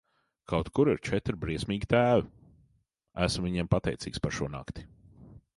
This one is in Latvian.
Kaut kur ir četri briesmīgi tēvi, esmu viņiem pateicīgs par šo nakti.